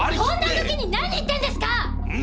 こんな時に何言ってんですか！